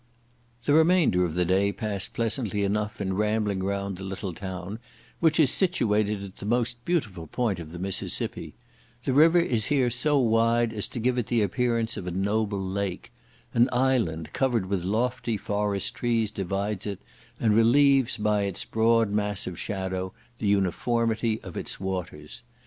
The remainder of the day passed pleasantly enough in rambling round the little town, which is situated at the most beautiful point of the Mississippi; the river is here so wide as to give it the appearance of a noble lake; an island, covered with lofty forest trees divides it, and relieves by its broad mass of shadow the uniformity of its waters.